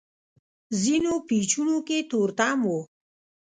ځينو پېچونو کې تورتم و.